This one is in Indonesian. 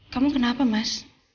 kamu kenapa mas